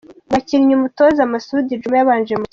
Abakinnyi umutoza Masudi Juma yabanje mu kibuga:.